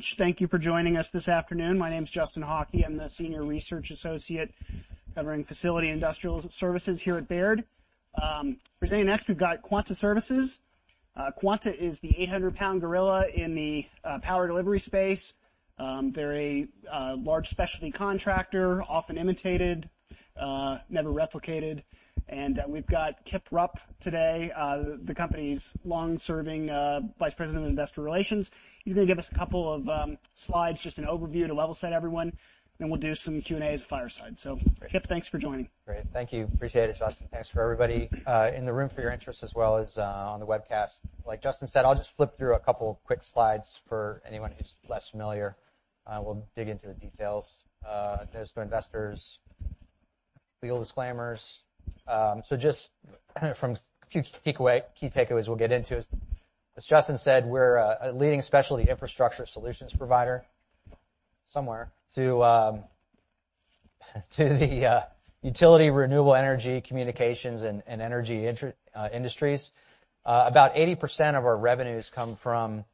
Thank you for joining us this afternoon. My name is Justin Hauke. I'm the Senior Research Associate covering facility industrial services here at Baird. Presenting next, we've got Quanta Services. Quanta is the 800-pound gorilla in the power delivery space. Very large specialty contractor, often imitated, never replicated. We've got Kip Rupp today, the company's long-serving Vice President of Investor Relations. He's gonna give us a couple of slides, just an overview to level set everyone, then we'll do some Q&As fireside. Kip, thanks for joining. Great. Thank you. Appreciate it, Justin. Thanks for everybody in the room, for your interest, as well as on the webcast. Like Justin said, I'll just flip through a couple of quick slides for anyone who's less familiar, we'll dig into the details. As to investors, legal disclaimers. Just from a few key takeaways we'll get into. As Justin said, we're a leading specialty infrastructure solutions provider, somewhere, to the utility, renewable energy, communications, and energy industries. About 80% of our revenues come from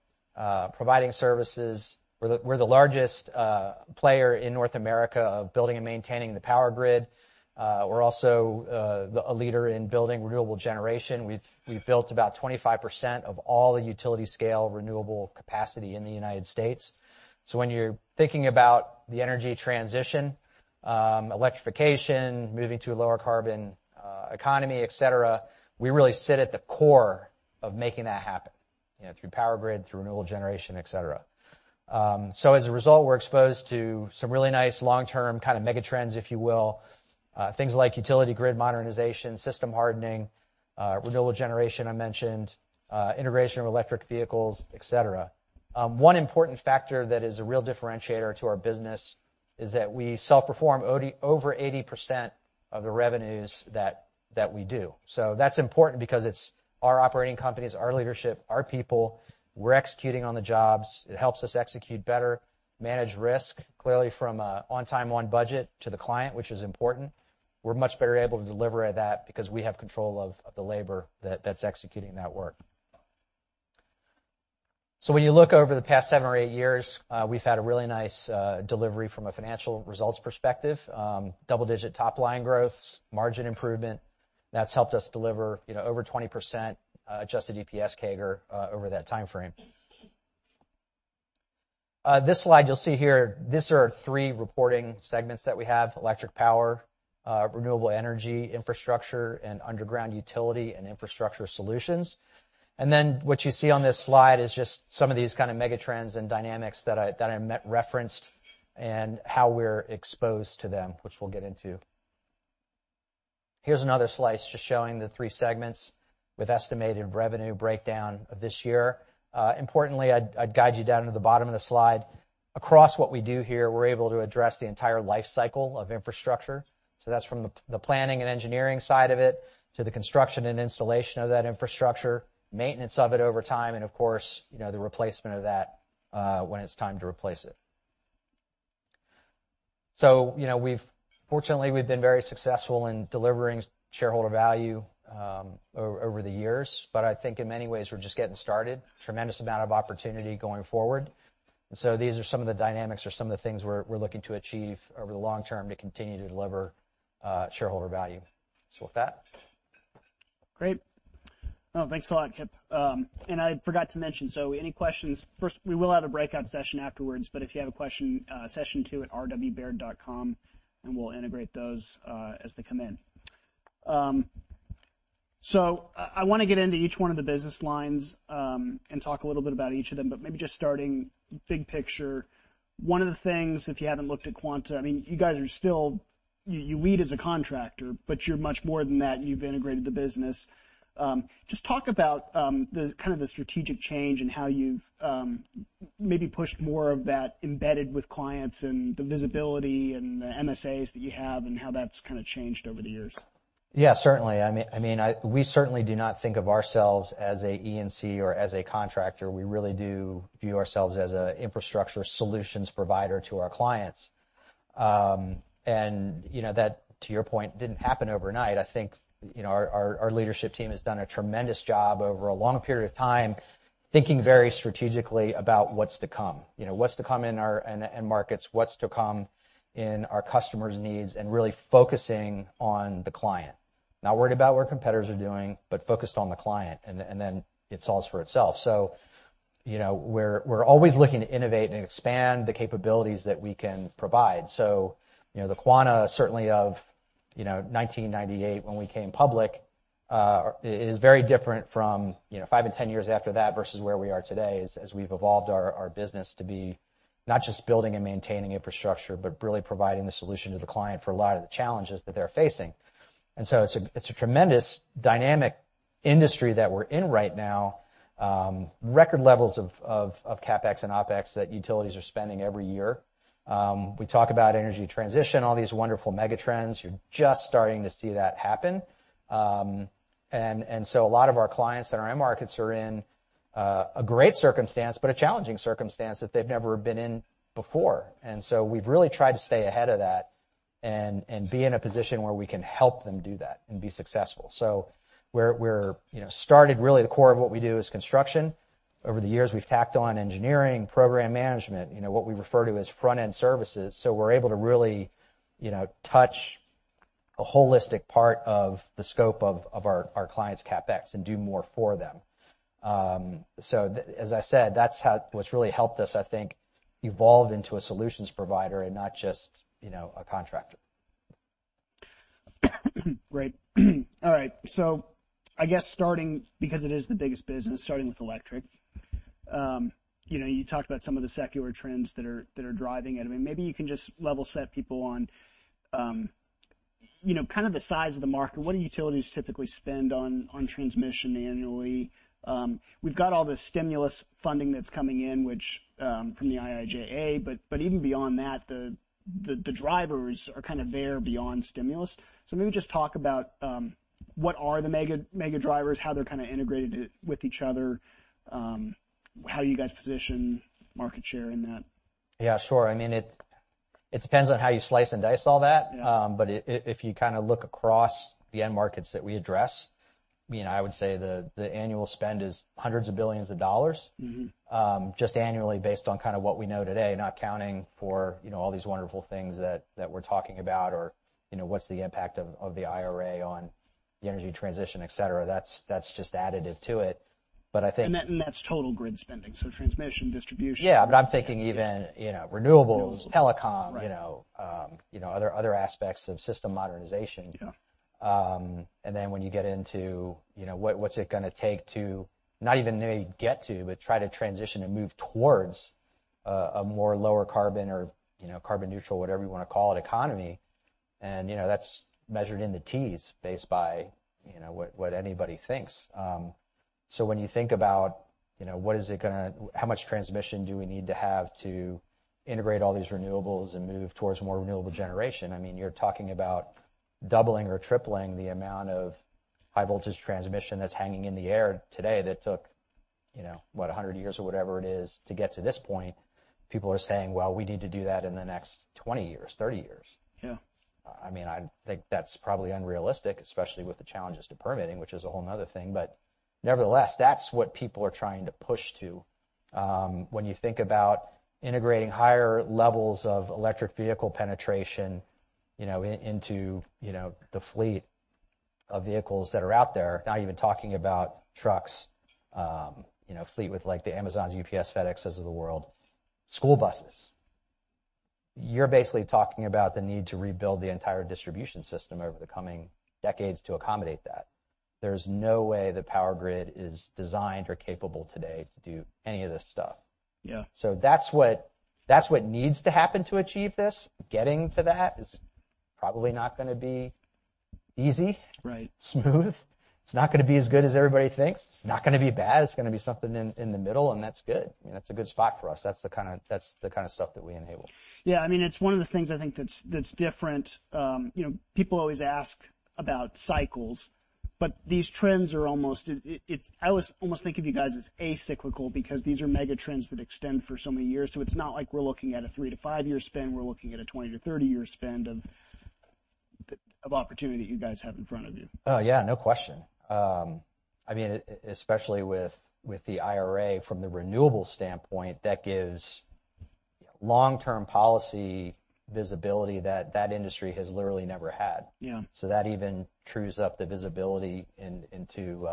providing services. We're the largest player in North America of building and maintaining the power grid. We're also a leader in building renewable generation. We've built about 25% of all the utility-scale renewable capacity in the United States. When you're thinking about the energy transition, electrification, moving to a lower carbon economy, et cetera, we really sit at the core of making that happen, you know, through power grid, through renewable generation, et cetera. As a result, we're exposed to some really nice long-term mega trends, if you will, things like grid modernization, system hardening, renewable generation, I mentioned, integration of electric vehicles, et cetera. One important factor that is a real differentiator to our business is that we self-perform over 80% of the revenues that we do. That's important because it's our operating companies, our leadership, our people. We're executing on the jobs. It helps us execute better, manage risk, clearly from a on time, on budget to the client, which is important. We're much better able to deliver at that because we have control of the labor that's executing that work. When you look over the past seven or eight years, we've had a really nice delivery from a financial results perspective, double-digit top line growth, margin improvement. That's helped us deliver, you know, over 20% adjusted EPS CAGR over that time frame. This slide you'll see here, these are our three reporting segments that we have: Electric Power, Renewable Energy Infrastructure, and Underground Utility and Infrastructure Solutions. What you see on this slide is just some of these mega trends and dynamics that I referenced, and how we're exposed to them, which we'll get into. Here's another slice, just showing the three segments with estimated revenue breakdown of this year. Importantly, I'd guide you down to the bottom of the slide. Across what we do here, we're able to address the entire life cycle of infrastructure. That's from the planning and engineering side of it, to the construction and installation of that infrastructure, maintenance of it over time, and of course, you know, the replacement of that, when it's time to replace it. You know, fortunately, we've been very successful in delivering shareholder value over the years, but I think in many ways, we're just getting started. Tremendous amount of opportunity going forward. These are some of the dynamics or some of the things we're looking to achieve over the long term to continue to deliver, shareholder value. With that... Great. Well, thanks a lot, Kip. I forgot to mention. Any questions? First, we will have a breakout session afterwards. If you have a question, session two at rwbaird.com, we'll integrate those as they come in. I wanna get into each one of the business lines, and talk a little bit about each of them. Maybe just starting big picture. One of the things, if you haven't looked at Quanta, I mean, you guys are still... You lead as a contractor, but you're much more than that. You've integrated the business. Just talk about the kind of the strategic change and how you've maybe pushed more of that embedded with clients and the visibility and the MSAs that you have, and how that's kind of changed over the years. Yeah, certainly. I mean, we certainly do not think of ourselves as a EPC or as a contractor. We really do view ourselves as a infrastructure solutions provider to our clients. You know, that, to your point, didn't happen overnight. I think, you know, our leadership team has done a tremendous job over a long period of time, thinking very strategically about what's to come. You know, what's to come in our end markets, what's to come in our customers' needs, and really focusing on the client. Not worried about what competitors are doing, but focused on the client, and then it solves for itself. You know, we're always looking to innovate and expand the capabilities that we can provide. You know, the Quanta, certainly of, you know, 1998, when we came public, is very different from, you know, five and 10 years after that, versus where we are today, as we've evolved our business to be not just building and maintaining infrastructure, but really providing the solution to the client for a lot of the challenges that they're facing. It's a tremendous dynamic industry that we're in right now. Record levels of CapEx and OpEx that utilities are spending every year. We talk about energy transition, all these wonderful mega trends. You're just starting to see that happen. A lot of our clients in our end markets are in a great circumstance, but a challenging circumstance that they've never been in before. We've really tried to stay ahead of that and be in a position where we can help them do that and be successful. We, you know, started really, the core of what we do is construction. Over the years, we've tacked on engineering, program management, you know, what we refer to as front-end services. We're able to really, you know, touch a holistic part of the scope of our clients' CapEx and do more for them. As I said, what's really helped us, I think, evolve into a solutions provider and not just, you know, a contractor. Great. All right. I guess starting, because it is the biggest business, starting with electric, you know, you talked about some of the secular trends that are driving it. I mean, maybe you can just level set people on, you know, kind of the size of the market. What do utilities typically spend on transmission annually? We've got all this stimulus funding that's coming in, which, from the IIJA. Even beyond that, the drivers are kind of there beyond stimulus. Maybe just talk about, what are the mega drivers, how they're kind of integrated with each other, how you guys position market share in that? Yeah, sure. I mean, it depends on how you slice and dice all that. Yeah. If you kind of look across the end markets that we address, you know, I would say the annual spend is hundreds of billions of dollars. Mm-hmm. just annually based on kind of what we know today, not accounting for, you know, all these wonderful things that we're talking about, or, you know, what's the impact of the IRA on the energy transition, et cetera. That's just additive to it. That's total grid spending, so transmission, distribution. Yeah, I'm thinking even, you know, renewables-... telecom- Right you know, you know, other aspects of system modernization. Yeah. When you get into, you know, what's it gonna take to not even maybe get to, but try to transition and move towards a more lower carbon or, you know, carbon neutral, whatever you wanna call it, economy. That's measured in the Ts, based by, you know, what anybody thinks. When you think about, you know, How much transmission do we need to have to integrate all these renewables and move towards more renewable generation, I mean, you're talking about doubling or tripling the amount of high-voltage transmission that's hanging in the air today, that took, you know, what, 100 years or whatever it is to get to this point. People are saying, "Well, we need to do that in the next 20 years, 30 years. Yeah. I mean, I think that's probably unrealistic, especially with the challenges to permitting, which is a whole 'another thing, nevertheless, that's what people are trying to push to. When you think about integrating higher levels of electric vehicle penetration, you know, into, you know, the fleet of vehicles that are out there, not even talking about trucks, you know, fleet with, like, the Amazons, UPS, FedExs of the world, school buses. You're basically talking about the need to rebuild the entire distribution system over the coming decades to accommodate that. There's no way the power grid is designed or capable today to do any of this stuff. Yeah. That's what needs to happen to achieve this. Getting to that is probably not going to be easy. Right... smooth. It's not gonna be as good as everybody thinks. It's not gonna be bad. It's gonna be something in the middle. That's good. You know, that's a good spot for us. That's the kind of stuff that we enable. Yeah, I mean, it's one of the things, I think that's different. You know, people always ask about cycles, but these trends are almost, I always almost think of you guys as acyclical because these are mega trends that extend for so many years, so it's not like we're looking at a three-five year spend. We're looking at a 20-30-year spend of opportunity that you guys have in front of you. Oh, yeah, no question. I mean, especially with the IRA from the renewables standpoint, that gives long-term policy visibility that that industry has literally never had. Yeah. that even trues up the visibility into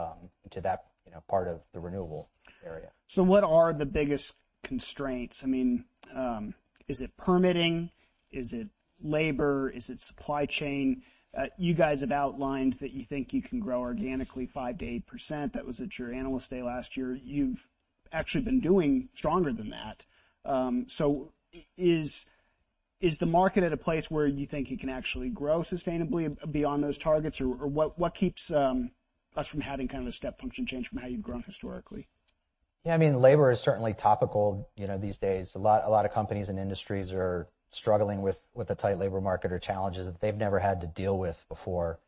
that, you know, part of the renewable area. What are the biggest constraints? I mean, is it permitting? Is it labor? Is it supply chain? You guys have outlined that you think you can grow organically 5%-8%. That was at your Analyst Day last year. You've actually been doing stronger than that. Is the market at a place where you think you can actually grow sustainably beyond those targets? Or, what keeps us from having kind of a step function change from how you've grown historically? Yeah, I mean, labor is certainly topical, you know, these days. A lot of companies and industries are struggling with the tight labor market or challenges that they've never had to deal with before.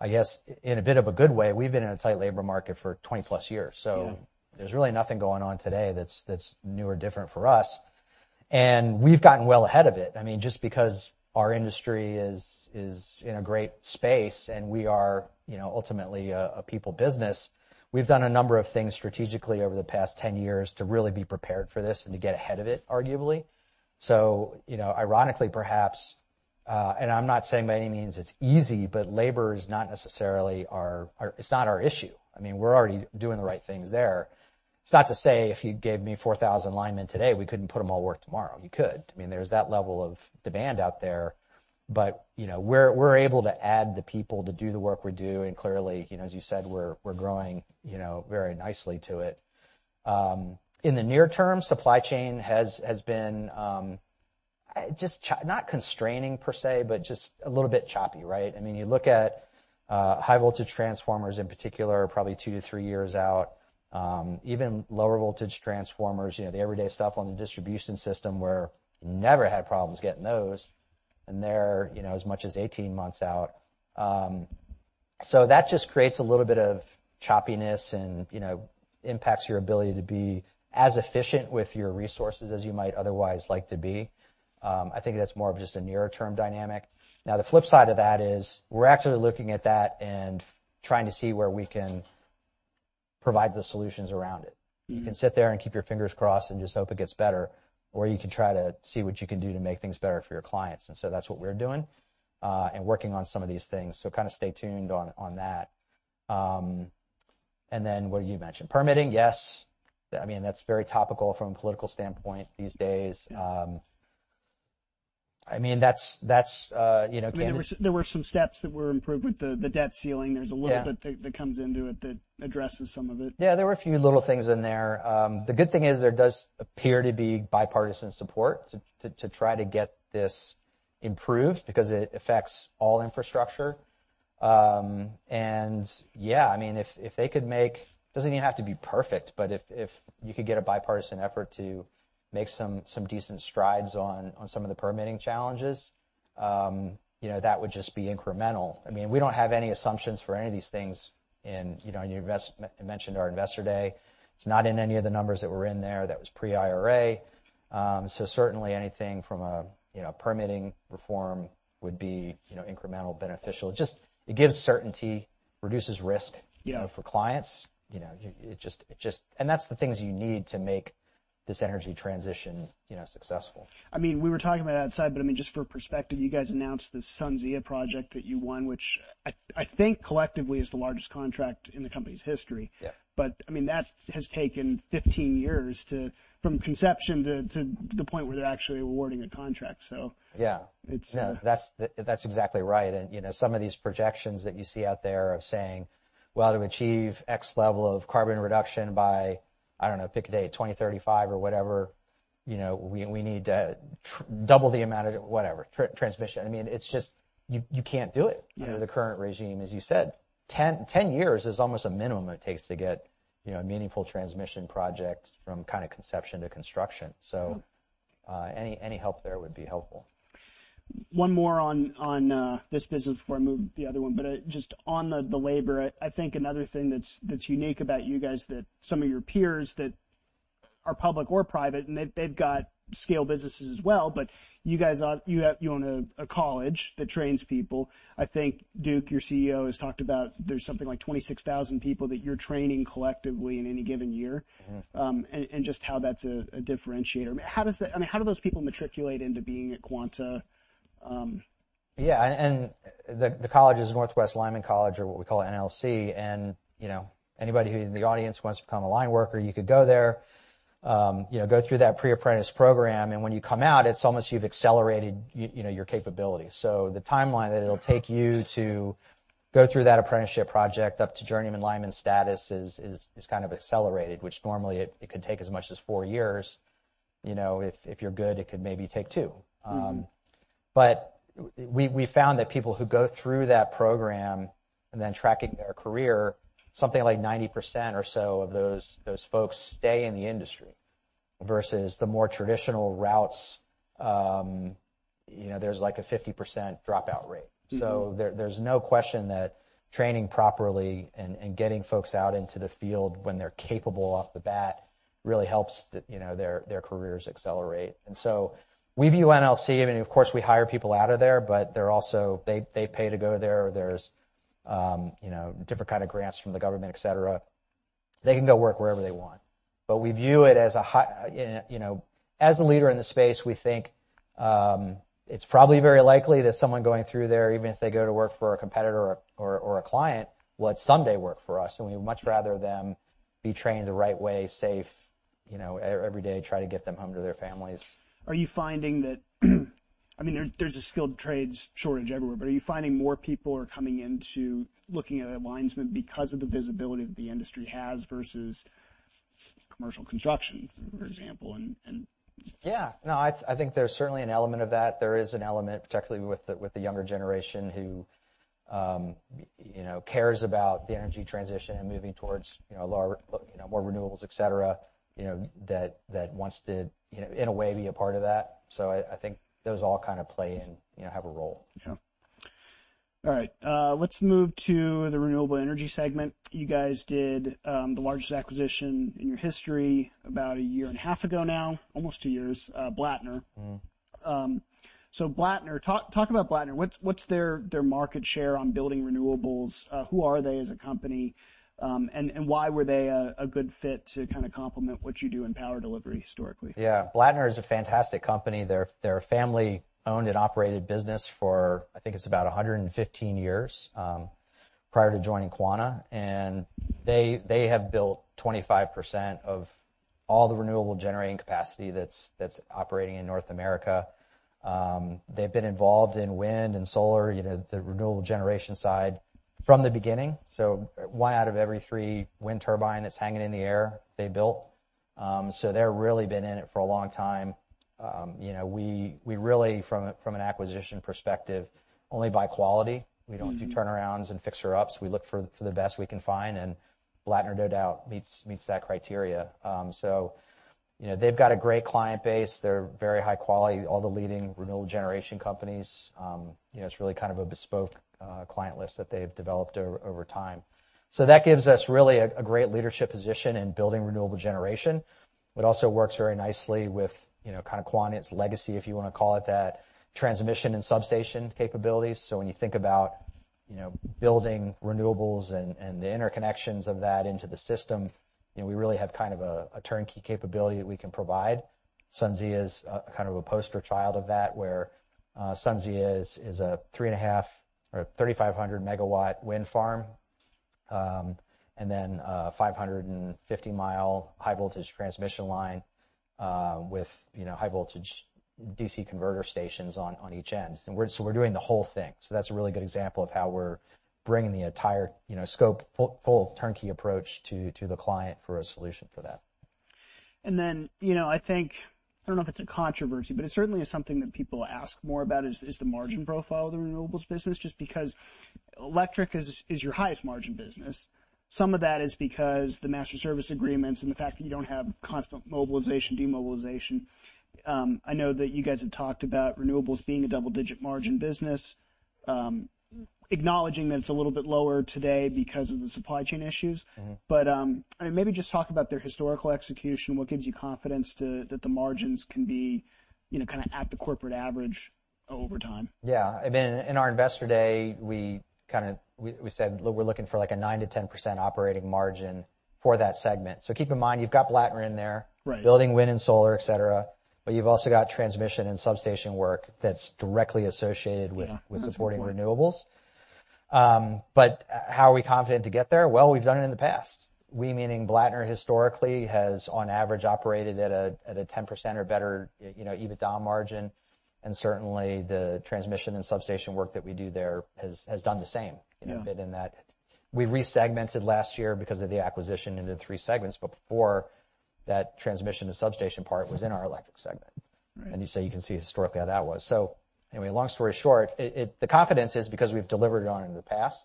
I guess, in a bit of a good way, we've been in a tight labor market for 20-plus years. Yeah there's really nothing going on today that's new or different for us, and we've gotten well ahead of it. I mean, just because our industry is in a great space, and we are, you know, ultimately a people business, we've done a number of things strategically over the past 10 years to really be prepared for this and to get ahead of it, arguably. You know, ironically, perhaps, and I'm not saying by any means it's easy, but labor is not necessarily our issue. I mean, we're already doing the right things there. It's not to say if you gave me 4,000 linemen today, we couldn't put them all to work tomorrow. You could. I mean, there's that level of demand out there, you know, we're able to add the people to do the work we do, and clearly, you know, as you said, we're growing, you know, very nicely to it. In the near term, supply chain has been, just not constraining per se, but just a little bit choppy, right? I mean, you look at high-voltage transformers in particular, are probably 2-3 years out. Even lower-voltage transformers, you know, the everyday stuff on the distribution system, where you never had problems getting those, and they're, you know, as much as 18 months out. That just creates a little bit of choppiness and, you know, impacts your ability to be as efficient with your resources as you might otherwise like to be. I think that's more of just a nearer term dynamic. The flip side of that is we're actually looking at that and trying to see where we can provide the solutions around it. Mm-hmm. You can sit there and keep your fingers crossed and just hope it gets better, or you can try to see what you can do to make things better for your clients. That's what we're doing, and working on some of these things. Kind of stay tuned on that. What you mentioned, permitting, yes. I mean, that's very topical from a political standpoint these days. Yeah. I mean, that's, you know... I mean, there were some steps that were improved with the debt ceiling. Yeah. There's a little bit that comes into it that addresses some of it. Yeah, there were a few little things in there. The good thing is, there does appear to be bipartisan support to try to get this improved because it affects all infrastructure. Yeah, I mean, if they could. Doesn't even have to be perfect, but if you could get a bipartisan effort to make some decent strides on some of the permitting challenges, you know, that would just be incremental. I mean, we don't have any assumptions for any of these things in, you know, in your mentioned our Investor Day. It's not in any of the numbers that were in there, that was pre-IRA. Certainly anything from a, you know, permitting reform would be, you know, incremental, beneficial. Just, it gives certainty, reduces risk. Yeah... you know, for clients. You know, it just. That's the things you need to make this energy transition, you know, successful. I mean, we were talking about it outside, but I mean, just for perspective, you guys announced this SunZia project that you won, which I think collectively is the largest contract in the company's history. Yeah. I mean, that has taken 15 years to, from conception to the point where they're actually awarding a contract. Yeah. It's. Yeah, that's exactly right. You know, some of these projections that you see out there of saying, "Well, to achieve X level of carbon reduction by," I don't know, pick a date, "2035," or whatever, "you know, we need to double the amount of whatever, transmission." I mean, it's just, you can't do it. Yeah... you know, the current regime, as you said. 10 years is almost a minimum it takes to get, you know, a meaningful transmission project from kind of conception to construction. Yeah. Any help there would be helpful. One more on this business before I move to the other one, but just on the labor, I think another thing that's unique about you guys, that some of your peers that are public or private, and they've got scale businesses as well. You guys, you own a college that trains people. I think Duke, your CEO, has talked about there's something like 26,000 people that you're training collectively in any given year. Mm-hmm. Just how that's a differentiator. I mean, how do those people matriculate into being at Quanta? The college is Northwest Lineman College, or what we call NLC, and, you know, anybody who in the audience wants to become a line worker, you could go there. You know, go through that pre-apprentice program, and when you come out, it's almost you've accelerated you know, your capability. The timeline that it'll take you to go through that apprenticeship project up to journeyman lineman status is kind of accelerated, which normally it could take as much as four years. You know, if you're good, it could maybe take two. Mm-hmm. We found that people who go through that program and then tracking their career, something like 90% or so of those folks stay in the industry, versus the more traditional routes, you know, there's like a 50% dropout rate. Mm-hmm. There's no question that training properly and getting folks out into the field when they're capable off the bat, really helps, you know, their careers accelerate. We view NLC, I mean, of course, we hire people out of there, but they're also. They pay to go there. There's, you know, different kind of grants from the government, et cetera. They can go work wherever they want. We view it as a, you know, as a leader in the space, we think it's probably very likely that someone going through there, even if they go to work for a competitor or a client, will someday work for us, and we'd much rather them be trained the right way, safe, you know, every day, try to get them home to their families. Are you finding I mean, there's a skilled trades shortage everywhere, but are you finding more people are coming into looking at lineman because of the visibility that the industry has versus commercial construction, for example? Yeah. No, I think there's certainly an element of that. There is an element, particularly with the, with the younger generation who, you know, cares about the energy transition and moving towards more renewables, et cetera, you know, that wants to, in a way, be a part of that. I think those all kind of play and, you know, have a role. Yeah. All right, let's move to the renewable energy segment. You guys did the largest acquisition in your history about a year and a half ago now, almost two years, Blattner. Mm-hmm. Blattner, talk about Blattner. What's their market share on building renewables? Who are they as a company? Why were they a good fit to kind of complement what you do in power delivery historically? Yeah. Blattner is a fantastic company. They're a family-owned and operated business for, I think it's about 115 years, prior to joining Quanta. They have built 25% of all the renewable generating capacity that's operating in North America. They've been involved in wind and solar, you know, the renewable generation side from the beginning. One out of every three wind turbine that's hanging in the air, they built. They're really been in it for a long time. You know, we really, from an acquisition perspective, only buy quality. Mm-hmm. We don't do turnarounds and fixer-ups. We look for the best we can find, Blattner, no doubt, meets that criteria. You know, they've got a great client base. They're very high quality, all the leading renewable generation companies. You know, it's really kind of a bespoke client list that they've developed over time. That gives us really a great leadership position in building renewable generation. It also works very nicely with, you know, kind of Quanta's legacy, if you wanna call it that, transmission and substation capabilities. When you think about, you know, building renewables and the interconnections of that into the system, you know, we really have kind of a turnkey capability that we can provide. SunZia is kind of a poster child of that, where SunZia is a three and a half... or a 3,500 megawatt wind farm, and then a 550-mile high-voltage transmission line, with, you know, high-voltage DC converter stations on each end. We're doing the whole thing. That's a really good example of how we're bringing the entire, you know, scope, full turnkey approach to the client for a solution for that. You know, I think, I don't know if it's a controversy, but it certainly is something that people ask more about, is the margin profile of the renewables business, just because electric is your highest margin business. Some of that is because the master service agreements and the fact that you don't have constant mobilization, demobilization. I know that you guys had talked about renewables being a double-digit margin business, acknowledging that it's a little bit lower today because of the supply chain issues. Mm-hmm. I mean, maybe just talk about their historical execution. What gives you confidence that the margins can be, you know, kind of at the corporate average over time? Yeah. I mean, in our Investor Day, we kind of said we're looking for, like, a 9%-10% operating margin for that segment. Keep in mind, you've got Blattner in there- Right... building wind and solar, et cetera, but you've also got transmission and substation work that's directly associated with- Yeah With supporting renewables. How are we confident to get there? Well, we've done it in the past. We, meaning Blattner historically, has on average, operated at a 10% or better, you know, EBITDA margin, and certainly, the transmission and substation work that we do there has done the same, you know? Yeah. In that, we resegmented last year because of the acquisition into three segments, before that, transmission to substation part was in our Electric segment. Right. You say you can see historically how that was. Anyway, long story short, the confidence is because we've delivered on it in the past,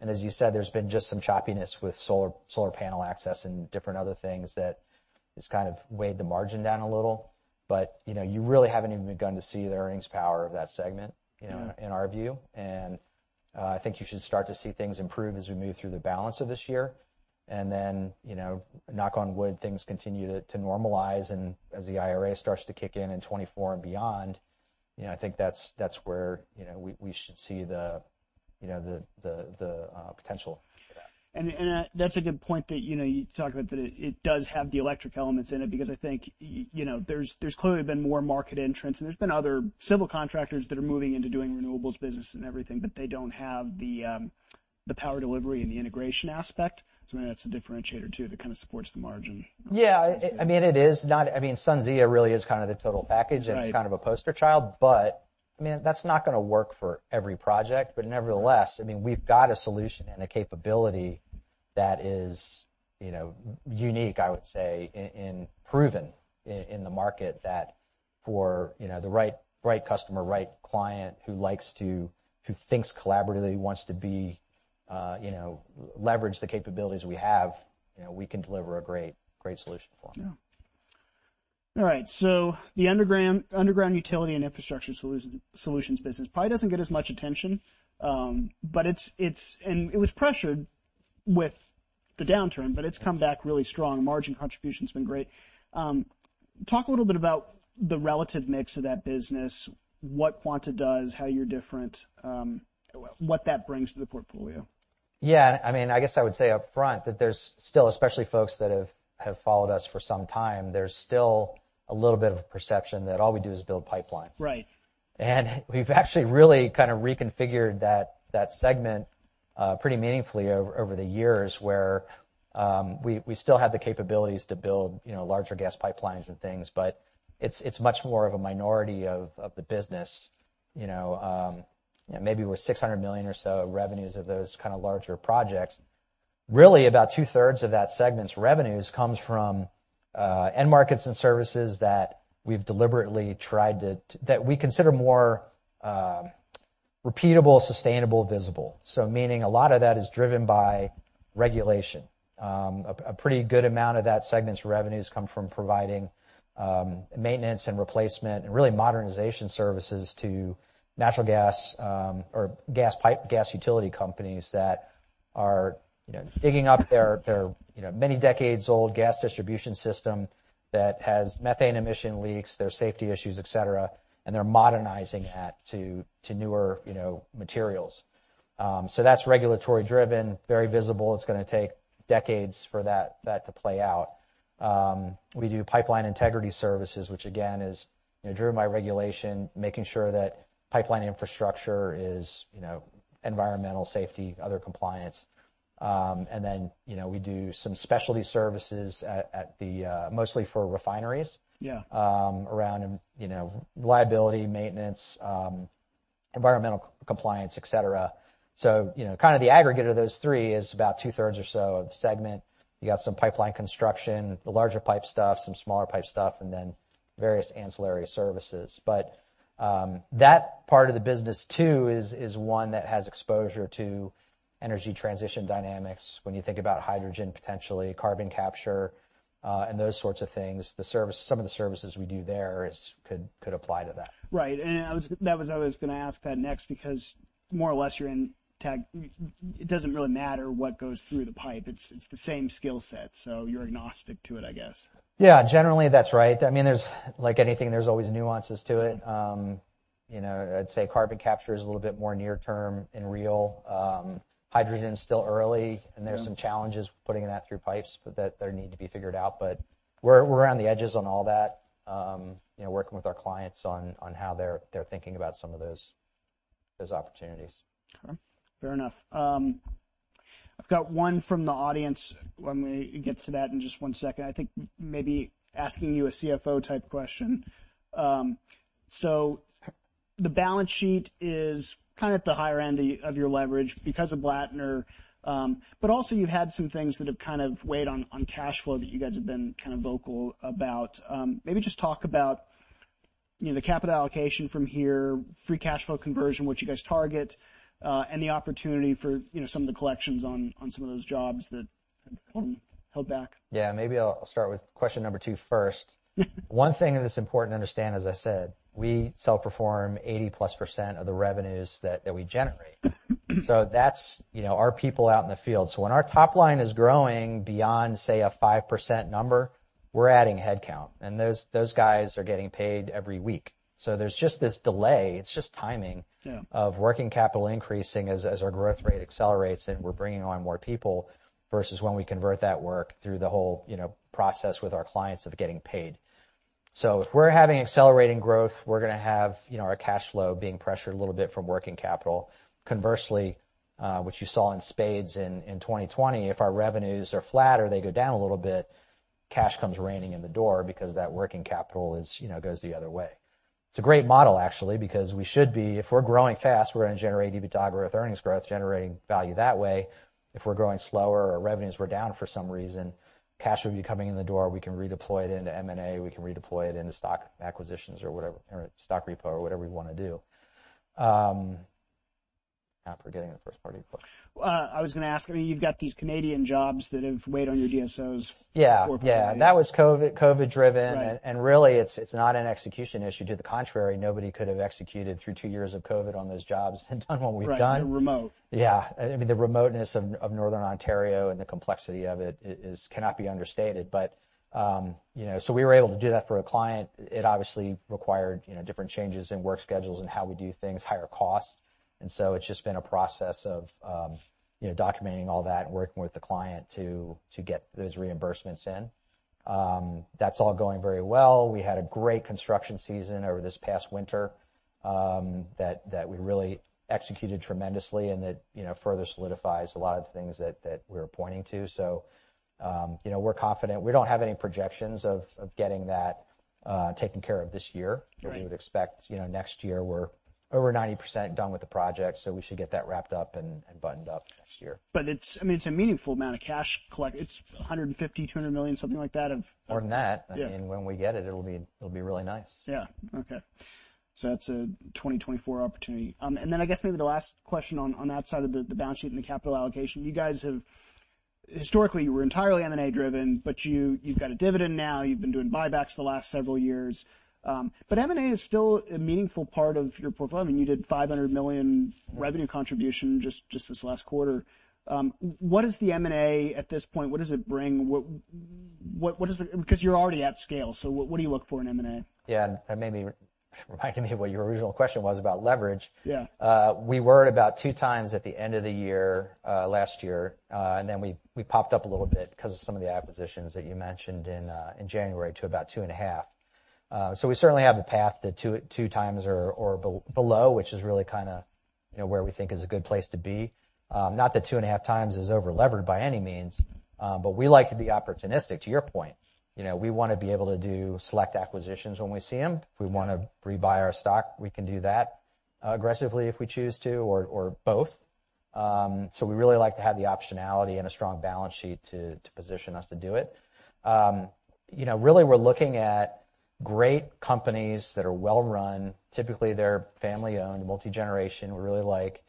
and as you said, there's been just some choppiness with solar panel access and different other things that has kind of weighed the margin down a little. You know, you really haven't even begun to see the earnings power of that segment. Yeah... you know, in our view. I think you should start to see things improve as we move through the balance of this year. you know, knock on wood, things continue to normalize, and as the IRA starts to kick in in 2024 and beyond, you know, I think that's where, you know, we should see the, you know, the potential for that. That's a good point that, you know, you talk about, that it does have the electric elements in it. I think, you know, there's clearly been more market entrants, and there's been other civil contractors that are moving into doing renewables business and everything, but they don't have the power delivery and the integration aspect. Maybe that's a differentiator, too, that kind of supports the margin. Yeah, I mean, SunZia really is kind of the total package. Right Kind of a poster child, but, I mean, that's not gonna work for every project. Nevertheless, I mean, we've got a solution and a capability that is, you know, unique, I would say, and, proven in the market, that for, you know, the right customer, right client who thinks collaboratively, wants to be, you know, leverage the capabilities we have, you know, we can deliver a great solution for them. Yeah. All right, the Underground Utility and Infrastructure Solutions business probably doesn't get as much attention, but it's and it was pressured with the downturn, but it's come back really strong. Margin contribution's been great. Talk a little bit about the relative mix of that business, what Quanta does, how you're different, what that brings to the portfolio. Yeah, I mean, I guess I would say up front, that there's still, especially folks that have followed us for some time, there's still a little bit of a perception that all we do is build pipelines. Right. We've actually really kind of reconfigured that segment pretty meaningfully over the years, where we still have the capabilities to build, you know, larger gas pipelines and things, but it's much more of a minority of the business. You know, maybe we're $600 million or so of revenues of those kind of larger projects. About two-thirds of that segment's revenues comes from end markets and services that we've deliberately tried to that we consider more repeatable, sustainable, visible. Meaning a lot of that is driven by regulation. A pretty good amount of that segment's revenues come from providing maintenance and replacement and really modernization services to natural gas or gas pipe, gas utility companies that are, you know, digging up their, you know, many decades-old gas distribution system that has methane emission leaks, there are safety issues, et cetera, and they're modernizing that to newer, you know, materials. That's regulatory-driven, very visible. It's gonna take decades for that to play out. We do pipeline integrity services, which again, is, you know, driven by regulation, making sure that pipeline infrastructure is, you know, environmental, safety, other compliance. You know, we do some specialty services at the mostly for refineries- Yeah around, you know, liability, maintenance, environmental compliance, et cetera. You know, kind of the aggregate of those three is about two-thirds or so of the segment. You got some pipeline construction, the larger pipe stuff, some smaller pipe stuff, and then various ancillary services. That part of the business, too, is one that has exposure to energy transition dynamics. When you think about hydrogen, potentially carbon capture, and those sorts of things, some of the services we do there could apply to that. Right. I was gonna ask that next, because more or less you're in tag. It doesn't really matter what goes through the pipe, it's the same skill set, so you're agnostic to it, I guess. Yeah, generally, that's right. I mean, there's like anything, there's always nuances to it. You know, I'd say carbon capture is a little bit more near term and real. Hydrogen is still early- Yeah... and there are some challenges putting that through pipes, but that there need to be figured out. We're on the edges on all that. you know, working with our clients on how they're thinking about some of those opportunities. Okay, fair enough. I've got one from the audience. Let me get to that in just one second. I think maybe asking you a CFO type question. The balance sheet is kind of at the higher end of your leverage because of Blattner. You've had some things that have kind of weighed on cash flow that you guys have been kind of vocal about. Maybe just talk about, you know, the capital allocation from here, free cash flow conversion, what you guys target, and the opportunity for, you know, some of the collections on some of those jobs that held back. Yeah. Maybe I'll start with question number two, first. One thing that's important to understand, as I said, we self-perform 80+% of the revenues that we generate. That's, you know, our people out in the field. When our top line is growing beyond say 5% number, we're adding headcount, and those guys are getting paid every week. There's just this delay. It's just timing. Yeah of working capital increasing as our growth rate accelerates, and we're bringing on more people versus when we convert that work through the whole, you know, process with our clients of getting paid. If we're having accelerating growth, we're gonna have, you know, our cash flow being pressured a little bit from working capital. Conversely, what you saw in spades in 2020, if our revenues are flat or they go down a little bit, cash comes raining in the door because that working capital is, you know, goes the other way. It's a great model, actually, because we should be. If we're growing fast, we're gonna generate EBITDA growth, earnings growth, generating value that way. If we're growing slower or revenues were down for some reason, cash would be coming in the door. We can redeploy it into M&A, we can redeploy it into stock acquisitions or whatever, or stock repo, or whatever we want to do. Now forgetting the first part of your question. I was gonna ask, I mean, you've got these Canadian jobs that have weighed on your DSOs. Yeah, yeah. For a period. that was COVID driven. Right. Really, it's not an execution issue. To the contrary, nobody could have executed through two years of COVID on those jobs and done what we've done. Right, they're remote. Yeah. I mean, the remoteness of Northern Ontario and the complexity of it is cannot be understated. you know, so we were able to do that for a client. It obviously required, you know, different changes in work schedules and how we do things, higher costs. it's just been a process of, you know, documenting all that and working with the client to get those reimbursements in. That's all going very well. We had a great construction season over this past winter, that we really executed tremendously, and that you know further solidifies a lot of the things that we're pointing to. you know, we're confident. We don't have any projections of getting that taken care of this year. Right. We would expect, you know, next year we're over 90% done with the project, we should get that wrapped up and buttoned up next year. It's, I mean, it's a meaningful amount of cash collect. It's $150 million-$200 million, something like that. More than that. Yeah. I mean, when we get it'll be really nice. Okay. That's a 2024 opportunity. I guess maybe the last question on that side of the balance sheet and the capital allocation. Historically, you were entirely M&A driven, but you've got a dividend now. You've been doing buybacks the last several years. M&A is still a meaningful part of your portfolio. I mean, you did $500 million revenue contribution just this last quarter. What is the M&A at this point? What does it bring? You're already at scale, so what do you look for in M&A? Yeah, that made me, reminded me of what your original question was about leverage. Yeah. We were at about two times at the end of the year last year. We popped up a little bit because of some of the acquisitions that you mentioned in January, to about 2.5. We certainly have a path to two times or below, which is really kinda, you know, where we think is a good place to be. Not that 2.5 times is overleveraged by any means, we like to be opportunistic, to your point. You know, we wanna be able to do select acquisitions when we see them. If we wanna rebuy our stock, we can do that aggressively, if we choose to, or both. We really like to have the optionality and a strong balance sheet to position us to do it. You know, really, we're looking at great companies that are well-run. Typically, they're family-owned, multi-generation. We really like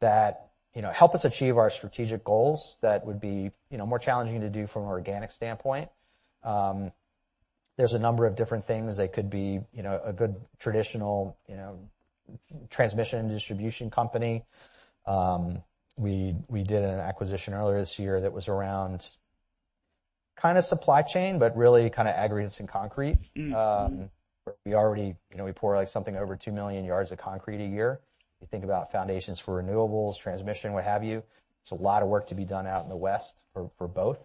that. You know, help us achieve our strategic goals. That would be, you know, more challenging to do from an organic standpoint. There's a number of different things. They could be, you know, a good traditional, transmission and distribution company. We did an acquisition earlier this year that was around kind of supply chain, but really kind of aggregates and concrete. Mm-hmm. We already, you know, we pour, like, something over 2 million yards of concrete a year. You think about foundations for renewables, transmission, what have you. It's a lot of work to be done out in the west for both,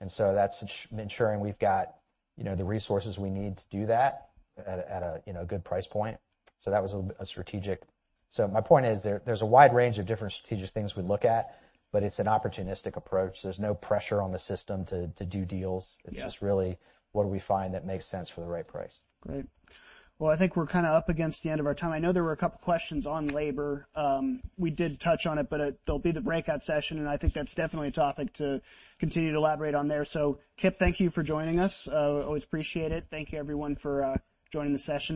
that's ensuring we've got, you know, the resources we need to do that at a good price point. That was a strategic. My point is there's a wide range of different strategic things we look at, but it's an opportunistic approach. There's no pressure on the system to do deals. Yeah. It's just really, what do we find that makes sense for the right price? Great. Well, I think we're kinda up against the end of our time. I know there were a couple of questions on labor. We did touch on it, but, there'll be the breakout session, and I think that's definitely a topic to continue to elaborate on there. Kip, thank you for joining us. Always appreciate it. Thank you, everyone, for, joining the session.